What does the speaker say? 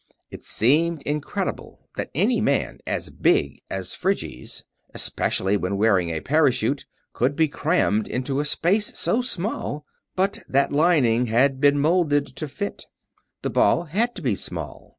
It seemed incredible that a man as big as Phryges, especially when wearing a parachute, could be crammed into a space so small; but that lining had been molded to fit. This ball had to be small.